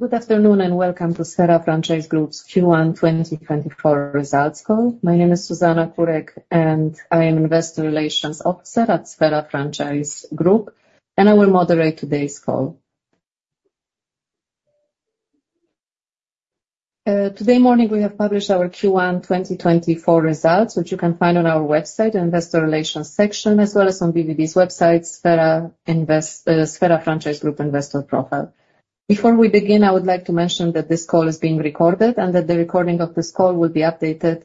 Good afternoon and welcome to Sphera Franchise Group's Q1 2024 results call. My name is Zuzanna Kurek, and I am Investor Relations Officer at Sphera Franchise Group, and I will moderate today's call. Today morning we have published our Q1 2024 results, which you can find on our website in the Investor Relations section as well as on BVB's website, Sphera Invest Sphera Franchise Group Investor Profile. Before we begin, I would like to mention that this call is being recorded and that the recording of this call will be updated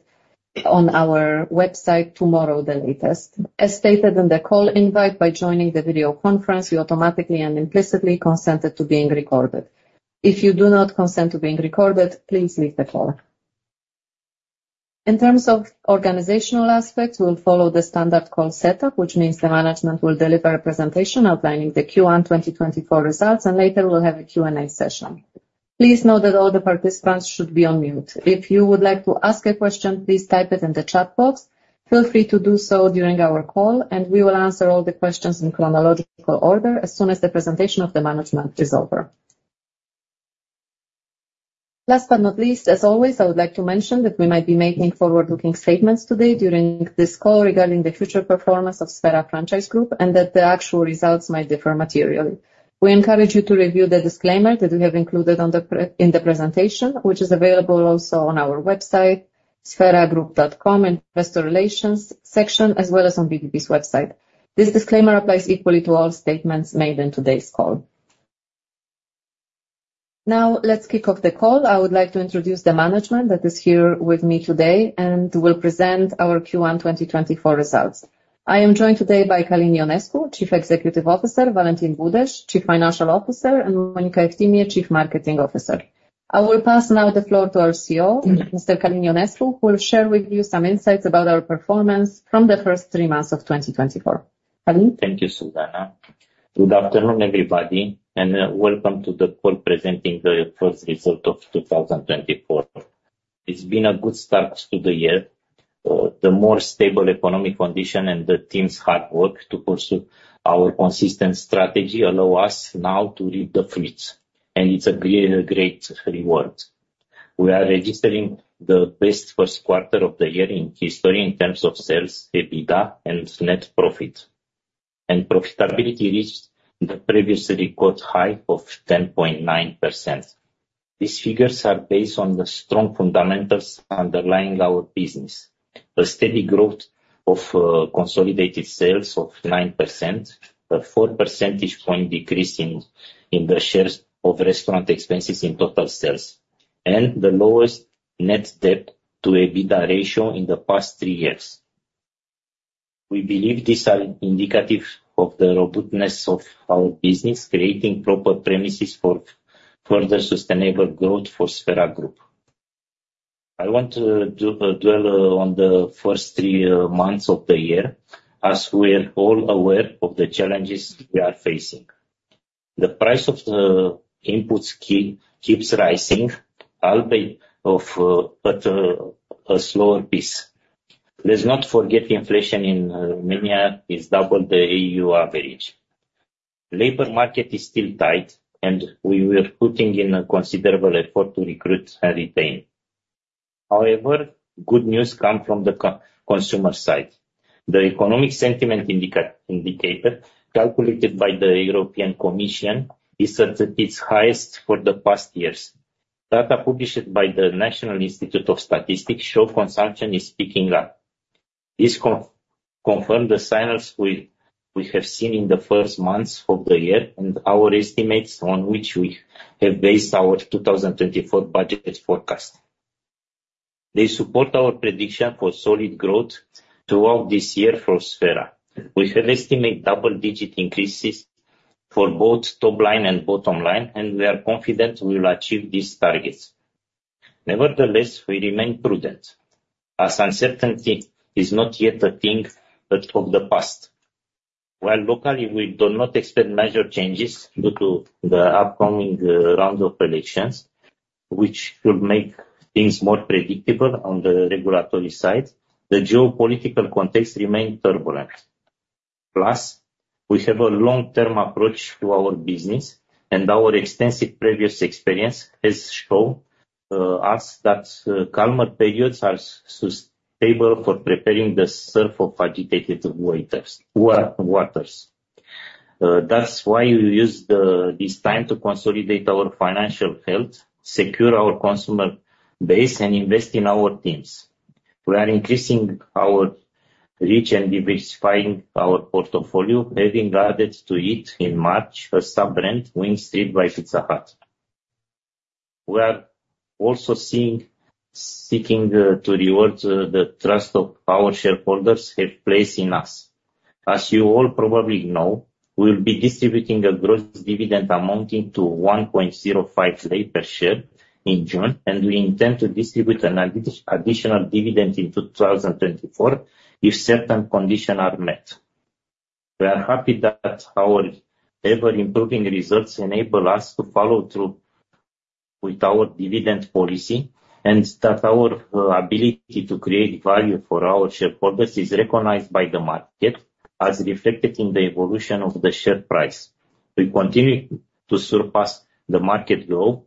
on our website tomorrow, the latest. As stated in the call invite, by joining the video conference you automatically and implicitly consented to being recorded. If you do not consent to being recorded, please leave the call. In terms of organizational aspects, we'll follow the standard call setup, which means the management will deliver a presentation outlining the Q1 2024 results, and later we'll have a Q&A session. Please note that all the participants should be on mute. If you would like to ask a question, please type it in the chat box. Feel free to do so during our call, and we will answer all the questions in chronological order as soon as the presentation of the management is over. Last but not least, as always, I would like to mention that we might be making forward-looking statements today during this call regarding the future performance of Sphera Franchise Group and that the actual results might differ materially. We encourage you to review the disclaimer that we have included on the screen in the presentation, which is available also on our website, spheragroup.com, Investor Relations section, as well as on BVB's website. This disclaimer applies equally to all statements made in today's call. Now let's kick off the call. I would like to introduce the management that is here with me today and will present our Q1 2024 results. I am joined today by Călin Ionescu, Chief Executive Officer, Valentin Budeş, Chief Financial Officer, and Monica Eftimie, Chief Marketing Officer. I will pass now the floor to our CEO, Mr. Călin Ionescu, who will share with you some insights about our performance from the first three months of 2024. Călin? Thank you, Zuzanna. Good afternoon, everybody, and welcome to the call presenting the first result of 2024. It's been a good start to the year. The more stable economic condition and the team's hard work to pursue our consistent strategy allow us now to reap the fruits, and it's a great, great reward. We are registering the best first quarter of the year in history in terms of sales, EBITDA, and net profit. Profitability reached the previously recorded high of 10.9%. These figures are based on the strong fundamentals underlying our business: a steady growth of consolidated sales of 9%, a 4 percentage point decrease in the shares of restaurant expenses in total sales, and the lowest net debt-to-EBITDA ratio in the past three years. We believe these are indicative of the robustness of our business, creating proper premises for further sustainable growth for Sphera Group. I want to dwell on the first three months of the year as we're all aware of the challenges we are facing. The price of the inputs keeps rising, albeit at a slower pace. Let's not forget inflation in Romania is double the EU average. Labor market is still tight, and we're putting in a considerable effort to recruit and retain. However, good news comes from the consumer side. The economic sentiment indicator calculated by the European Commission is at its highest for the past years. Data published by the National Institute of Statistics show consumption is picking up. This confirms the signals we've seen in the first months of the year and our estimates on which we have based our 2024 budget forecast. They support our prediction for solid growth throughout this year for Sphera. We have estimated double-digit increases for both top line and bottom line, and we are confident we'll achieve these targets. Nevertheless, we remain prudent as uncertainty is not yet a thing of the past. While locally we do not expect major changes due to the upcoming round of elections, which could make things more predictable on the regulatory side, the geopolitical context remains turbulent. Plus, we have a long-term approach to our business, and our extensive previous experience has shown us that calmer periods are sustainable for preparing the surf of agitated waters. That's why we use this time to consolidate our financial health, secure our consumer base, and invest in our teams. We are increasing our reach and diversifying our portfolio, having added to it in March a sub-brand, WingStreet by Pizza Hut. We are also seeking to reward the trust our shareholders have placed in us. As you all probably know, we'll be distributing a gross dividend amounting to RON 1.05 per share in June, and we intend to distribute an additional dividend in 2024 if certain conditions are met. We are happy that our ever-improving results enable us to follow through with our dividend policy and that our ability to create value for our shareholders is recognized by the market as reflected in the evolution of the share price. We continue to surpass the market growth,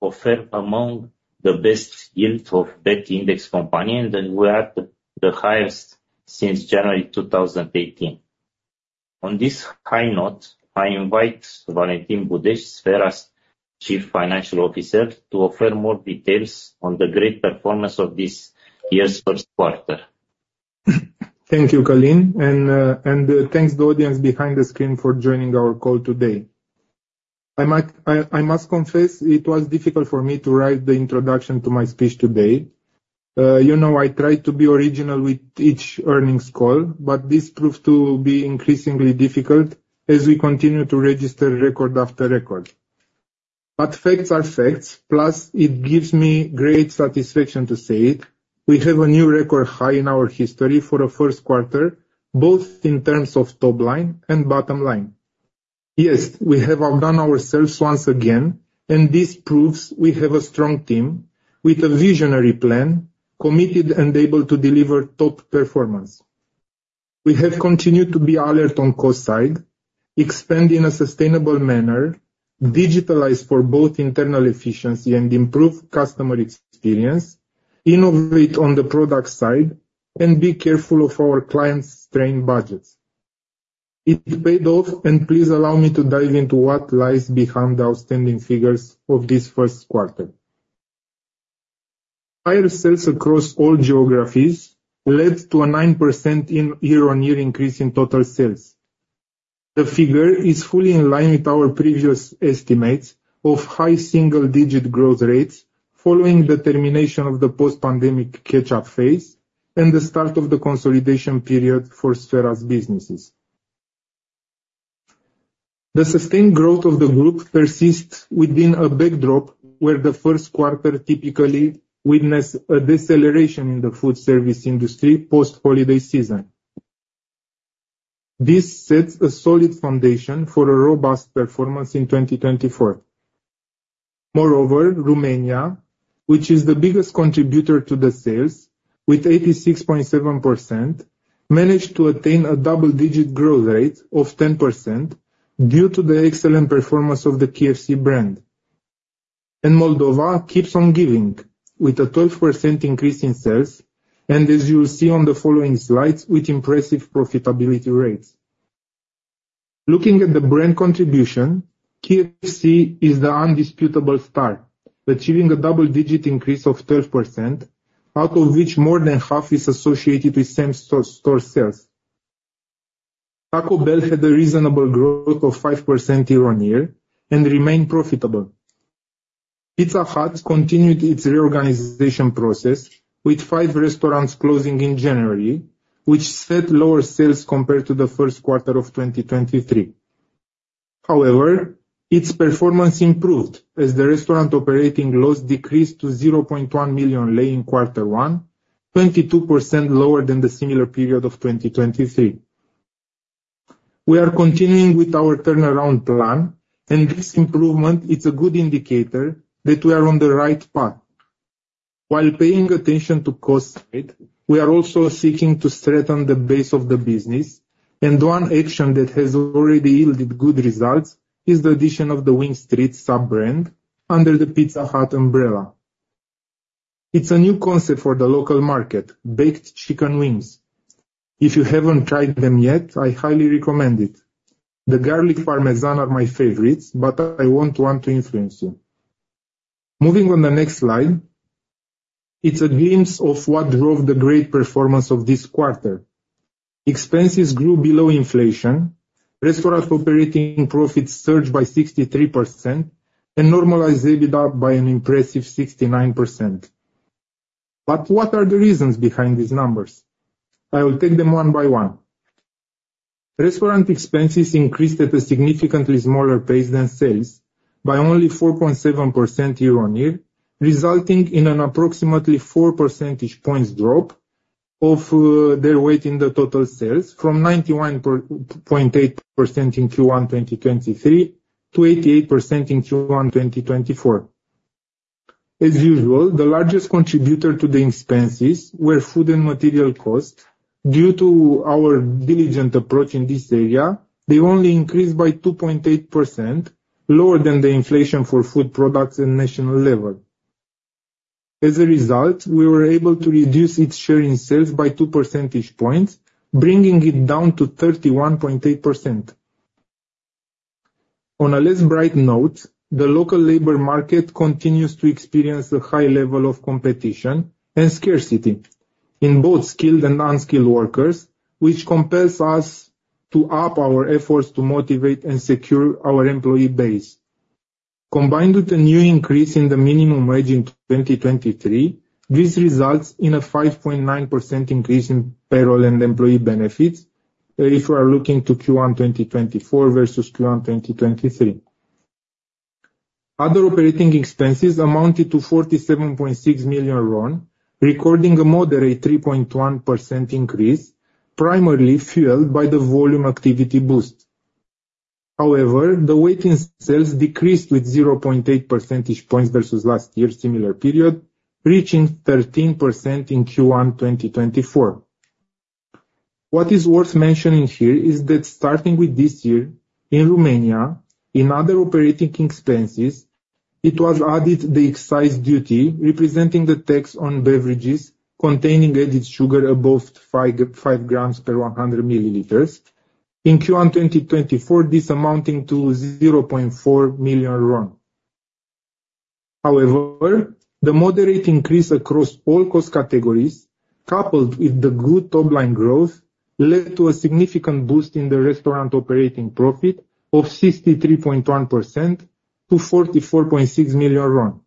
offer among the best yield of BET Index companies, and then we are the highest since January 2018. On this high note, I invite Valentin Budeş, Sphera's Chief Financial Officer, to offer more details on the great performance of this year's first quarter. Thank you, Călin. And, thanks to the audience behind the screen for joining our call today. I must confess it was difficult for me to write the introduction to my speech today, you know, I tried to be original with each earnings call, but this proved to be increasingly difficult as we continue to register record after record. But facts are facts, plus it gives me great satisfaction to say it. We have a new record high in our history for the first quarter, both in terms of top line and bottom line. Yes, we have outdone ourselves once again, and this proves we have a strong team with a visionary plan, committed, and able to deliver top performance. We have continued to be alert on cost side, expand in a sustainable manner, digitalize for both internal efficiency and improve customer experience, innovate on the product side, and be careful of our clients' strained budgets. It paid off, and please allow me to dive into what lies behind the outstanding figures of this first quarter. Higher sales across all geographies led to a 9% year-on-year increase in total sales. The figure is fully in line with our previous estimates of high single-digit growth rates following the termination of the post-pandemic catch-up phase and the start of the consolidation period for Sphera's businesses. The sustained growth of the group persists within a backdrop where the first quarter typically witnessed a deceleration in the food service industry post-holiday season. This sets a solid foundation for a robust performance in 2024. Moreover, Romania, which is the biggest contributor to the sales, with 86.7%, managed to attain a double-digit growth rate of 10% due to the excellent performance of the KFC brand. Moldova keeps on giving, with a 12% increase in sales, and as you'll see on the following slides, with impressive profitability rates. Looking at the brand contribution, KFC is the indisputable star, achieving a double-digit increase of 12%, out of which more than half is associated with same-store sales. Taco Bell had a reasonable growth of 5% year-on-year and remained profitable. Pizza Hut continued its reorganization process, with five restaurants closing in January, which set lower sales compared to the first quarter of 2023. However, its performance improved as the restaurant operating loss decreased to RON 0.1 million in quarter one, 22% lower than the similar period of 2023. We are continuing with our turnaround plan, and this improvement is a good indicator that we are on the right path. While paying attention to cost side, we are also seeking to strengthen the base of the business, and one action that has already yielded good results is the addition of the WingStreet sub-brand under the Pizza Hut umbrella. It's a new concept for the local market: baked chicken wings. If you haven't tried them yet, I highly recommend it. The Garlic Parmesan are my favorites, but I won't want to influence you. Moving on the next slide, it's a glimpse of what drove the great performance of this quarter. Expenses grew below inflation, restaurant-operating profits surged by 63%, and normalized EBITDA by an impressive 69%. But what are the reasons behind these numbers? I will take them one by one. Restaurant expenses increased at a significantly smaller pace than sales, by only 4.7% year-on-year, resulting in an approximately four percentage points drop of their weight in the total sales, from 91.8% in Q1 2023 to 88% in Q1 2024. As usual, the largest contributor to the expenses were food and material costs. Due to our diligent approach in this area, they only increased by 2.8%, lower than the inflation for food products at national level. As a result, we were able to reduce its share in sales by two percentage points, bringing it down to 31.8%. On a less bright note, the local labor market continues to experience a high level of competition and scarcity, in both skilled and unskilled workers, which compels us to up our efforts to motivate and secure our employee base. Combined with the new increase in the minimum wage in 2023, this results in a 5.9% increase in payroll and employee benefits, if you are looking to Q1 2024 versus Q1 2023. Other operating expenses amounted to RON 47.6 million, recording a moderate 3.1% increase, primarily fueled by the volume activity boost. However, the weight in sales decreased with 0.8 percentage points versus last year's similar period, reaching 13% in Q1 2024. What is worth mentioning here is that starting with this year, in Romania, in other operating expenses, it was added the excise duty, representing the tax on beverages containing added sugar above 5 g/100 ml, in Q1 2024, this amounting to RON 0.4 million. However, the moderate increase across all cost categories, coupled with the good top line growth, led to a significant boost in the restaurant operating profit of 63.1% to RON 44.6 million.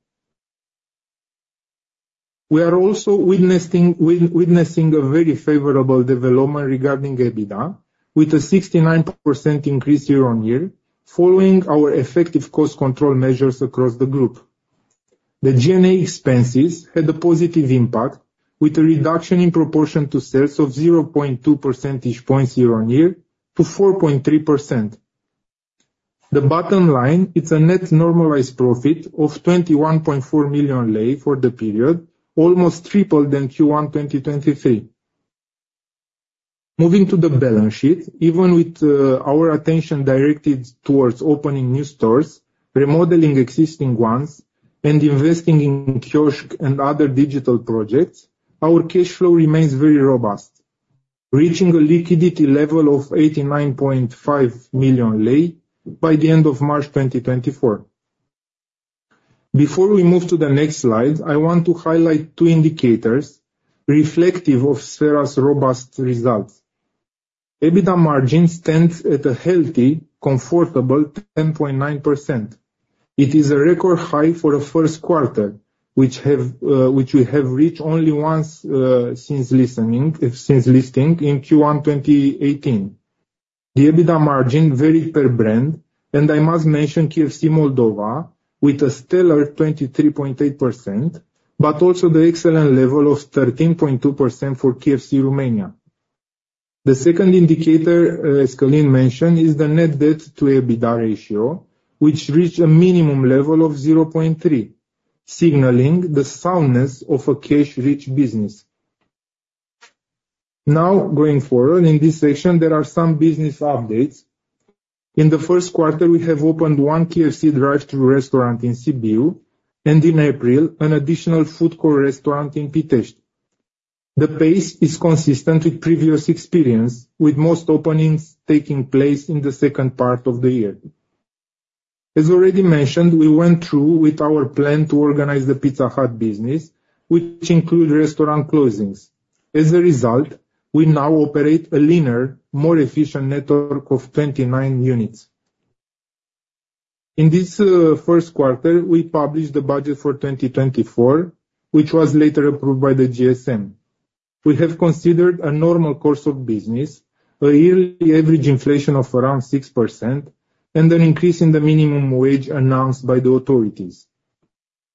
We are also witnessing a very favorable development regarding EBITDA, with a 69% increase year-on-year, following our effective cost control measures across the group. The G&A expenses had a positive impact, with a reduction in proportion to sales of 0.2 percentage points year-on-year to 4.3%. The bottom line, it's a net normalized profit of RON 21.4 million for the period, almost triple than Q1 2023. Moving to the balance sheet, even with our attention directed towards opening new stores, remodeling existing ones, and investing in kiosks and other digital projects, our cash flow remains very robust, reaching a liquidity level of RON 89.5 million by the end of March 2024. Before we move to the next slide, I want to highlight two indicators reflective of Sphera's robust results. EBITDA margins stand at a healthy, comfortable 10.9%. It is a record high for the first quarter, which we have reached only once, since listing in Q1 2018. The EBITDA margin varied per brand, and I must mention KFC Moldova, with a stellar 23.8%, but also the excellent level of 13.2% for KFC Romania. The second indicator, as Călin mentioned, is the net debt-to-EBITDA ratio, which reached a minimum level of 0.3, signaling the soundness of a cash-rich business. Now, going forward, in this section, there are some business updates. In the first quarter, we have opened one KFC drive-thru restaurant in Sibiu, and in April, an additional food court restaurant in Pitești. The pace is consistent with previous experience, with most openings taking place in the second part of the year. As already mentioned, we went through with our plan to organize the Pizza Hut business, which includes restaurant closings. As a result, we now operate a leaner, more efficient network of 29 units. In this first quarter, we published the budget for 2024, which was later approved by the GSM. We have considered a normal course of business, a yearly average inflation of around 6%, and an increase in the minimum wage announced by the authorities.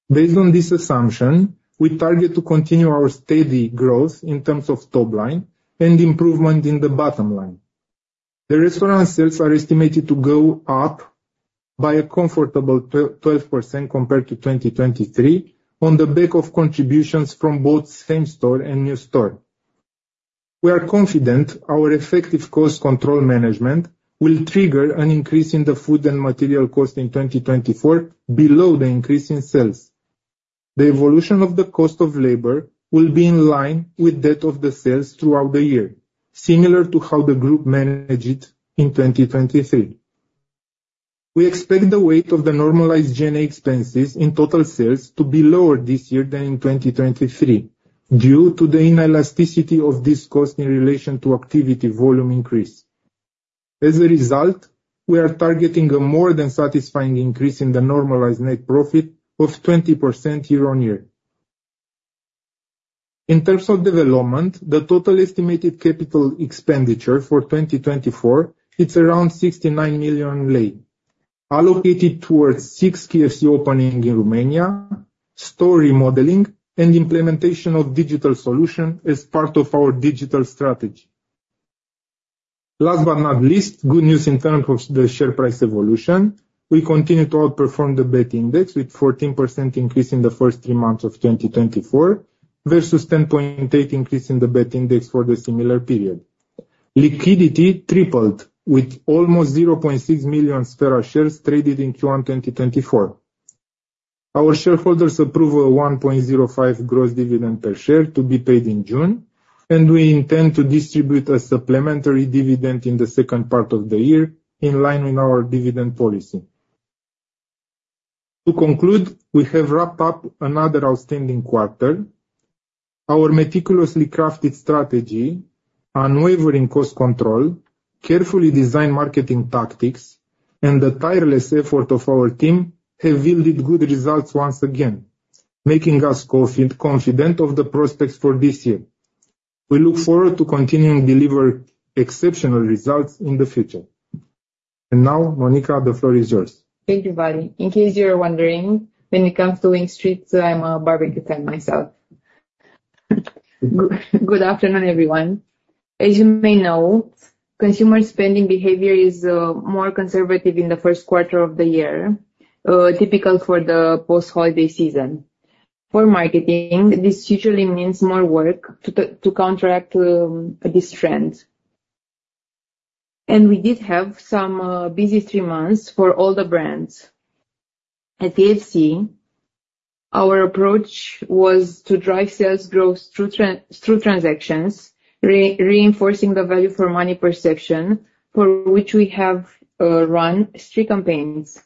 Based on this assumption, we target to continue our steady growth in terms of top line and improvement in the bottom line. The restaurant sales are estimated to go up by a comfortable 12% compared to 2023, on the back of contributions from both same-store and new store. We are confident our effective cost control management will trigger an increase in the food and material costs in 2024 below the increase in sales. The evolution of the cost of labor will be in line with the growth of the sales throughout the year, similar to how the group managed it in 2023. We expect the weight of the normalized G&A expenses in total sales to be lower this year than in 2023, due to the inelasticity of this cost in relation to activity volume increase. As a result, we are targeting a more than satisfying increase in the normalized net profit of 20% year-on-year. In terms of development, the total estimated capital expenditure for 2024 is around RON 69 million, allocated towards six KFC openings in Romania, store remodeling, and implementation of digital solutions as part of our digital strategy. Last but not least, good news in terms of the share price evolution. We continue to outperform the BET Index, with a 14% increase in the first three months of 2024 versus a 10.8% increase in the BET Index for the similar period. Liquidity tripled, with almost 0.6 million Sphera shares traded in Q1 2024. Our shareholders approve a 1.05% gross dividend per share to be paid in June, and we intend to distribute a supplementary dividend in the second part of the year, in line with our dividend policy. To conclude, we have wrapped up another outstanding quarter. Our meticulously crafted strategy, unwavering cost control, carefully designed marketing tactics, and the tireless effort of our team have yielded good results once again, making us confident of the prospects for this year. We look forward to continuing to deliver exceptional results in the future. And now, Monica, the floor is yours. Thank you, Valentin. In case you were wondering, when it comes to WingStreet, I'm a barbecue fan myself. Good afternoon, everyone. As you may know, consumer spending behavior is more conservative in the first quarter of the year, typical for the post-holiday season. For marketing, this usually means more work to counteract this trend. And we did have some busy three months for all the brands. At KFC, our approach was to drive sales growth through transactions, reinforcing the value-for-money perception, for which we have run three campaigns: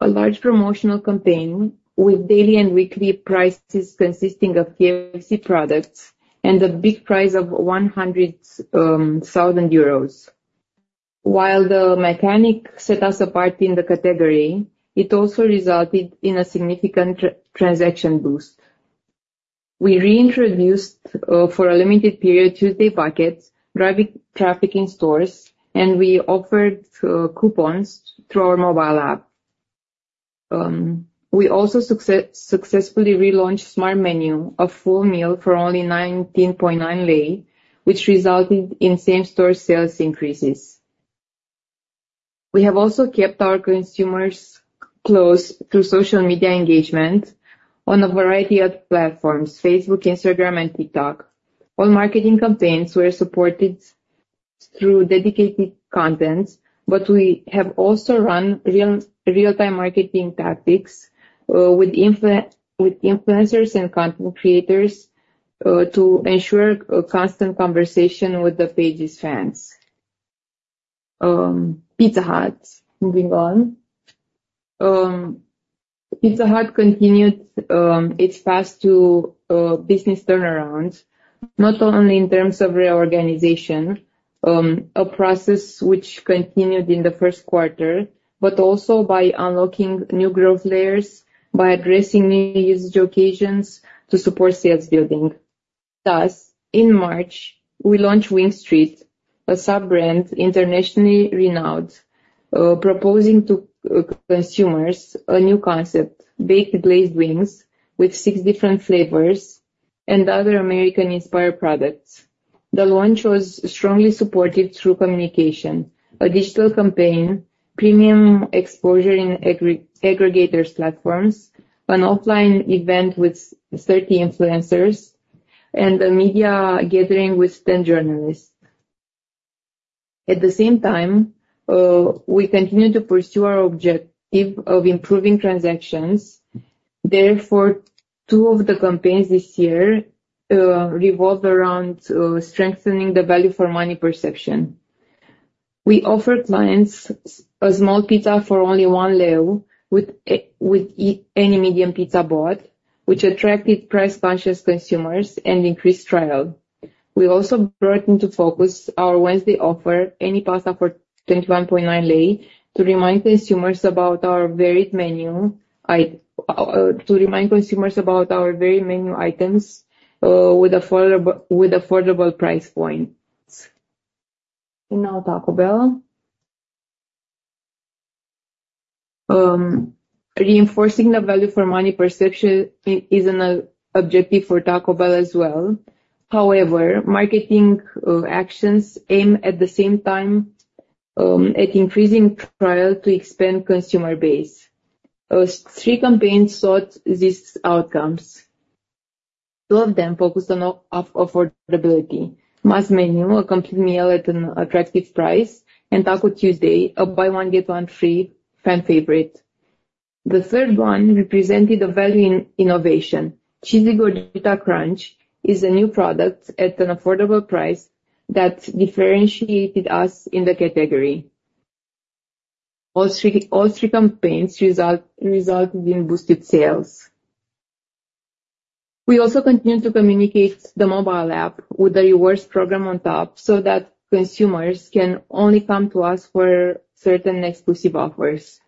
a large promotional campaign with daily and weekly prizes consisting of KFC products and a big prize of 100,000 euros. While the mechanic set us apart in the category, it also resulted in a significant transaction boost. We reintroduced, for a limited period, Tuesday Buckets, driving traffic in stores, and we offered coupons through our mobile app. We also successfully relaunched Smart Menu, a full meal for only RON 19.9, which resulted in same-store sales increases. We have also kept our consumers close through social media engagement on a variety of platforms: Facebook, Instagram, and TikTok. All marketing campaigns were supported through dedicated content, but we have also run real-time marketing tactics, with influencers and content creators, to ensure a constant conversation with the page's fans. Pizza Hut, moving on. Pizza Hut continued its path to business turnaround, not only in terms of reorganization, a process which continued in the first quarter, but also by unlocking new growth layers, by addressing new usage occasions to support sales building. Thus, in March, we launched WingStreet, a sub-brand internationally renowned, proposing to consumers a new concept: baked glazed wings with six different flavors and other American-inspired products. The launch was strongly supported through communication, a digital campaign, premium exposure in aggregator's platforms, an offline event with 30 influencers, and a media gathering with 10 journalists. At the same time, we continue to pursue our objective of improving transactions. Therefore, two of the campaigns this year revolved around strengthening the value-for-money perception. We offered clients a small pizza for only RON 1 with any medium pizza bought, which attracted price-conscious consumers and increased trial. We also brought into focus our Wednesday offer, any pasta for RON 21.9, to remind consumers about our varied menu items, with affordable price points. Now, Taco Bell. Reinforcing the value-for-money perception is an objective for Taco Bell as well. However, marketing actions aim at the same time at increasing trial to expand consumer base. Three campaigns sought these outcomes. Two of them focused on affordability: Más Menu, a complete meal at an attractive price, and Taco Tuesday, a buy-one, get-one-free fan favorite. The third one represented a value innovation. Cheesy Gordita Crunch is a new product at an affordable price that differentiated us in the category. All three campaigns resulted in boosted sales. We also continue to communicate the mobile app with a rewards program on top so that consumers can only come to us for certain exclusive offers.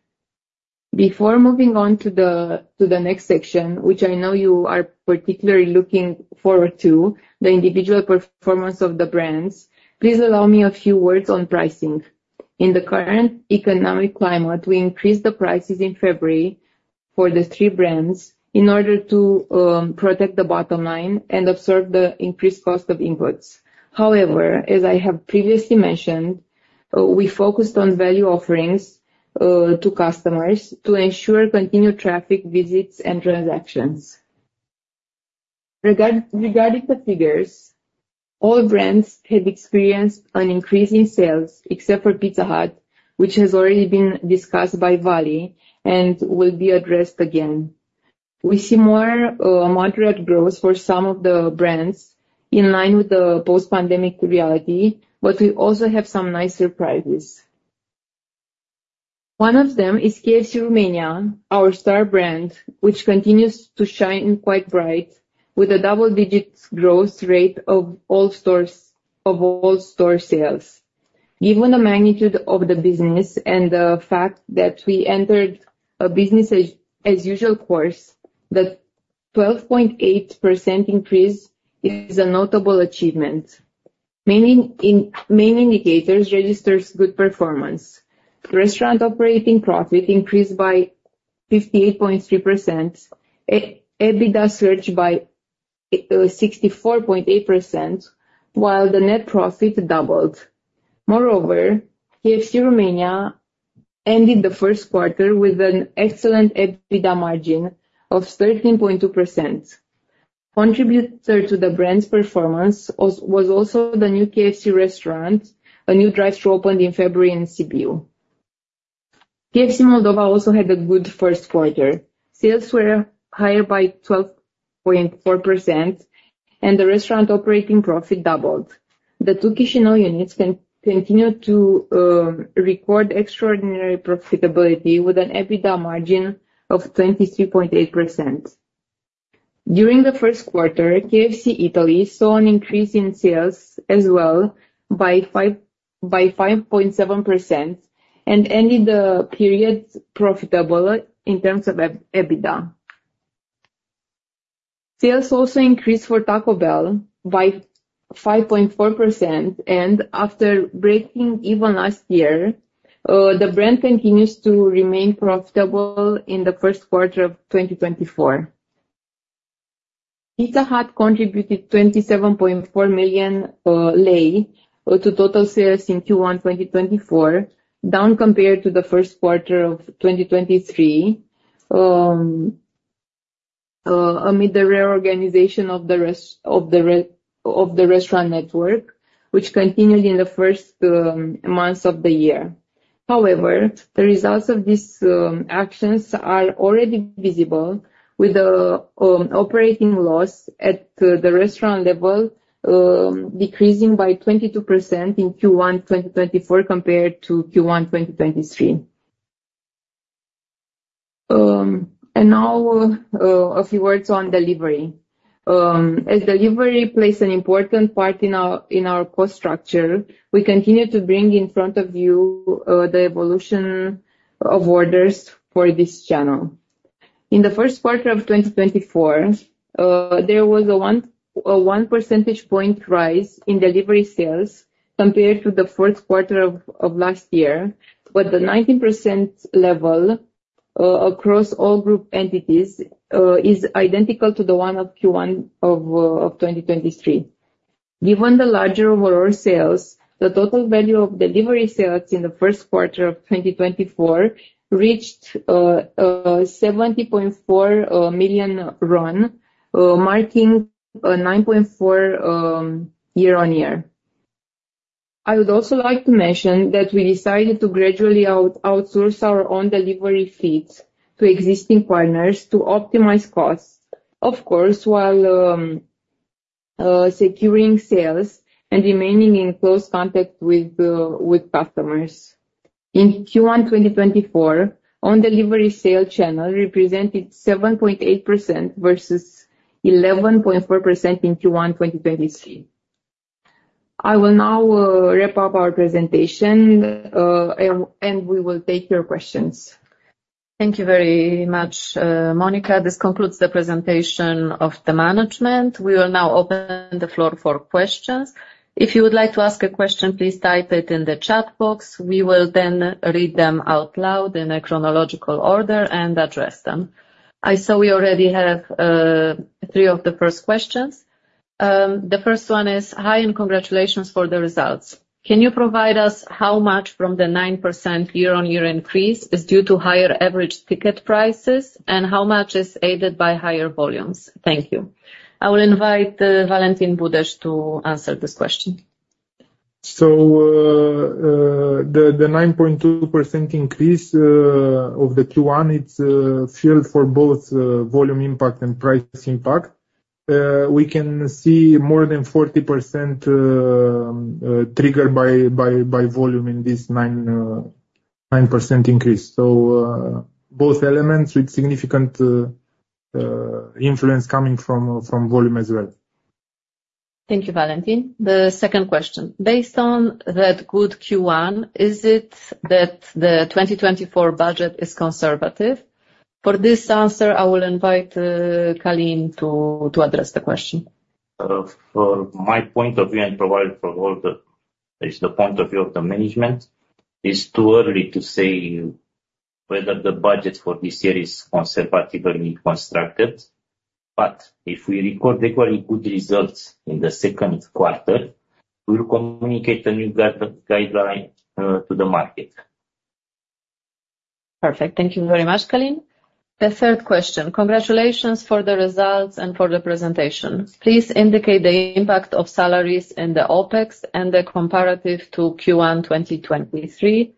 Before moving on to the next section, which I know you are particularly looking forward to, the individual performance of the brands, please allow me a few words on pricing. In the current economic climate, we increased the prices in February for the three brands in order to protect the bottom line and absorb the increased cost of inputs. However, as I have previously mentioned, we focused on value offerings, to customers to ensure continued traffic, visits, and transactions. Regarding the figures, all brands have experienced an increase in sales except for Pizza Hut, which has already been discussed by Valentin and will be addressed again. We see more, moderate growth for some of the brands in line with the post-pandemic reality, but we also have some nice surprises. One of them is KFC Romania, our star brand, which continues to shine quite bright with a double-digit growth rate of all stores of all store sales. Given the magnitude of the business and the fact that we entered a business-as-usual course, the 12.8% increase is a notable achievement. Main indicators registered good performance. Restaurant operating profit increased by 58.3%, EBITDA surged by 64.8%, while the net profit doubled. Moreover, KFC Romania ended the first quarter with an excellent EBITDA margin of 13.2%. A contributor to the brand's performance was also the new KFC restaurant, a new drive-thru opened in February in Sibiu. KFC Moldova also had a good first quarter. Sales were higher by 12.4%, and the restaurant operating profit doubled. The two Chișinău units continued to record extraordinary profitability with an EBITDA margin of 23.8%. During the first quarter, KFC Italy saw an increase in sales as well by 5.7% and ended the period profitable in terms of EBITDA. Sales also increased for Taco Bell by 5.4%, and after breaking even last year, the brand continues to remain profitable in the first quarter of 2024. Pizza Hut contributed RON 27.4 million to total sales in Q1 2024, down compared to the first quarter of 2023, amid the reorganization of the rest of the restaurant network, which continued in the first months of the year. However, the results of these actions are already visible, with the operating loss at the restaurant level decreasing by 22% in Q1 2024 compared to Q1 2023. Now, a few words on delivery. As delivery plays an important part in our cost structure, we continue to bring in front of you the evolution of orders for this channel. In the first quarter of 2024, there was a 1% point rise in delivery sales compared to the fourth quarter of last year, but the 19% level across all group entities is identical to the one of Q1 of 2023. Given the larger overall sales, the total value of delivery sales in the first quarter of 2024 reached RON 70.4 million, marking a 9.4% year-on-year. I would also like to mention that we decided to gradually outsource our own delivery fleets to existing partners to optimize costs, of course, while securing sales and remaining in close contact with customers. In Q1 2024, own delivery sales channel represented 7.8% versus 11.4% in Q1 2023. I will now wrap up our presentation, and we will take your questions. Thank you very much, Monica. This concludes the presentation of the management. We will now open the floor for questions. If you would like to ask a question, please type it in the chat box. We will then read them out loud in a chronological order and address them. I saw we already have three of the first questions. The first one is, "Hi, and congratulations for the results. Can you provide us how much from the 9% year-on-year increase is due to higher average ticket prices, and how much is aided by higher volumes? Thank you." I will invite Valentin Budeș to answer this question. So, the 9.2% increase, of the Q1, it's fueled for both, volume impact and price impact. We can see more than 40%, triggered by volume in this 9% increase. So, both elements with significant influence coming from volume as well. Thank you, Valentin. The second question: "Based on that good Q1, is it that the 2024 budget is conservative?" For this answer, I will invite Călin to address the question. From my point of view and probably from all the it's the point of view of the management, it's too early to say whether the budget for this year is conservatively constructed. But if we record equally good results in the second quarter, we will communicate a new guideline to the market. Perfect. Thank you very much, Călin. The third question: "Congratulations for the results and for the presentation. Please indicate the impact of salaries in the OPEX and the comparative to Q1 2023."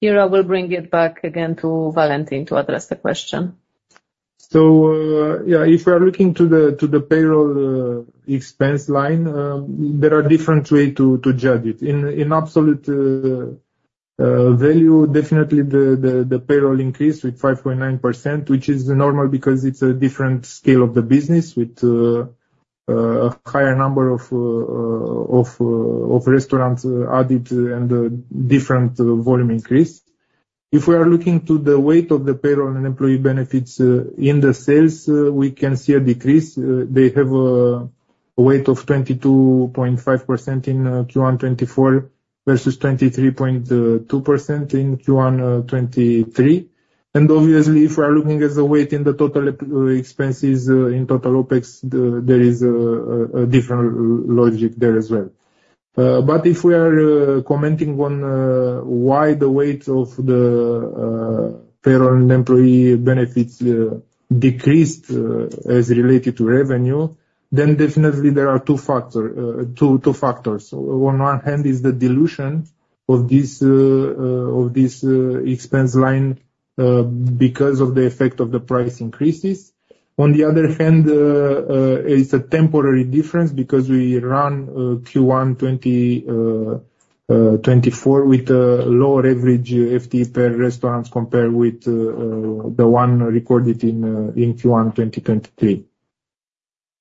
Here, I will bring it back again to Valentin to address the question. So, yeah, if we are looking to the payroll expense line, there are different ways to judge it. In absolute value, definitely the payroll increased with 5.9%, which is normal because it's a different scale of the business with a higher number of restaurants added and a different volume increase. If we are looking to the weight of the payroll and employee benefits in the sales, we can see a decrease. They have a weight of 22.5% in Q1 2024 versus 23.2% in Q1 2023. Obviously, if we are looking at the weight in the total expenses in total OPEX, there is a different logic there as well. If we are commenting on why the weight of the payroll and employee benefits decreased as related to revenue, then definitely there are two factors. On one hand, is the dilution of this expense line because of the effect of the price increases. On the other hand, it's a temporary difference because we run Q1 2024 with a lower average FTE per restaurant compared with the one recorded in Q1 2023.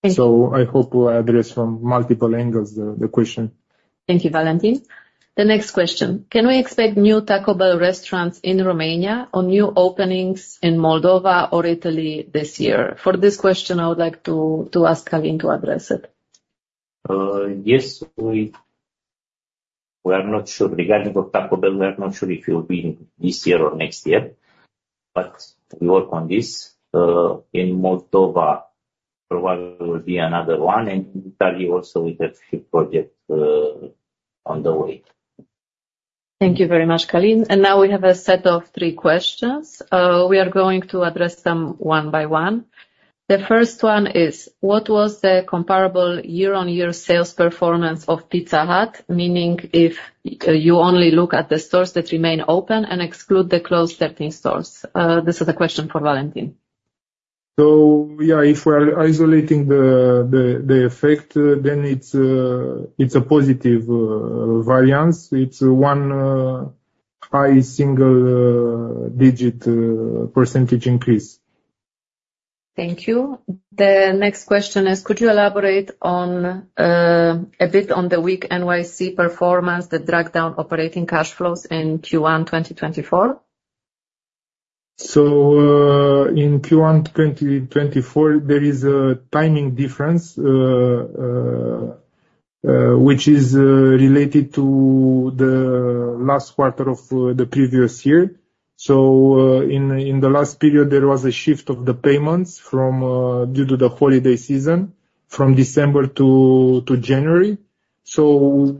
So I hope I addressed from multiple angles the question. Thank you, Valentin. The next question: "Can we expect new Taco Bell restaurants in Romania or new openings in Moldova or Italy this year?" For this question, I would like to ask Călin to address it. Yes. We are not sure. Regarding Taco Bell, we are not sure if it will be this year or next year, but we work on this. In Moldova, probably it will be another one, and Italy also with a few projects on the way. Thank you very much, Călin. And now we have a set of three questions. We are going to address them one by one. The first one is: "What was the comparable year-on-year sales performance of Pizza Hut, meaning if you only look at the stores that remain open and exclude the closed 13 stores?" This is a question for Valentin. So, yeah, if we are isolating the effect, then it's a positive variance. It's a high single-digit percentage increase. Thank you. The next question is: "Could you elaborate on a bit on the weak NWC performance, the drag-down operating cash flows in Q1 2024?" So, in Q1 2024, there is a timing difference, which is related to the last quarter of the previous year. So, in the last period, there was a shift of the payments due to the holiday season from December to January. So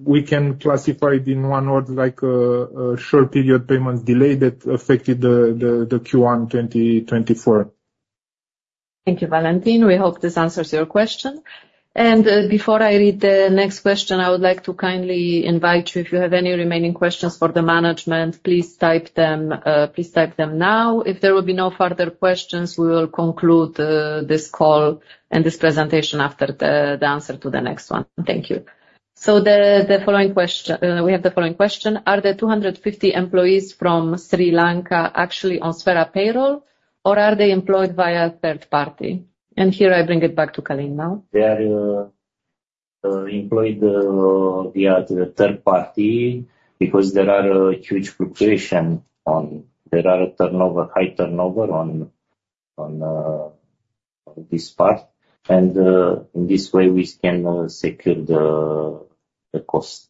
we can classify it in one order like a short period payments delay that affected the Q1 2024. Thank you, Valentin. We hope this answers your question. Before I read the next question, I would like to kindly invite you, if you have any remaining questions for the management, please type them, please type them now. If there will be no further questions, we will conclude this call and this presentation after the answer to the next one. Thank you. So, the following question we have: "Are the 250 employees from Sri Lanka actually on Sphera Payroll, or are they employed via third party?" And here, I bring it back to Călin now. They are employed via the third party because there is high turnover on this part. And, in this way, we can secure the cost.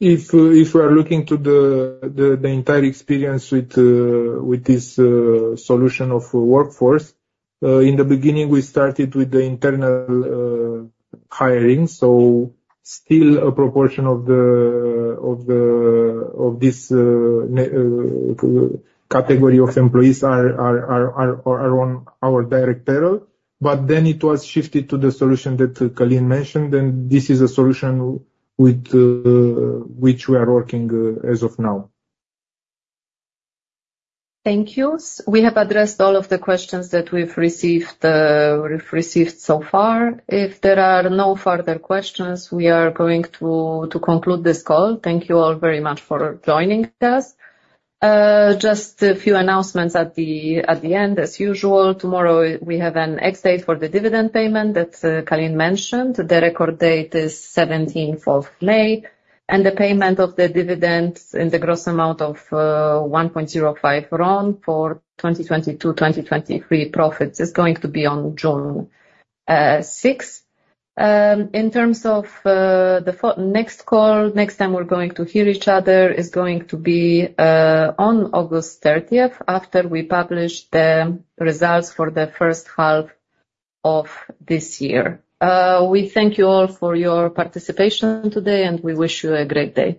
If we are looking to the entire experience with this solution of workforce, in the beginning, we started with the internal hiring. So still a proportion of this category of employees are on our direct payroll. But then it was shifted to the solution that Călin mentioned, and this is a solution with which we are working, as of now. Thank you. We have addressed all of the questions that we've received so far. If there are no further questions, we are going to conclude this call. Thank you all very much for joining us. Just a few announcements at the end, as usual. Tomorrow, we have an Ex-date for the dividend payment that Călin mentioned. The Record date is 17th of May. The payment of the dividends in the gross amount of RON 1.05 for 2022-2023 profits is going to be on June 6th. In terms of the next call, next time we're going to hear each other is going to be on August 30th after we publish the results for the first half of this year. We thank you all for your participation today, and we wish you a great day.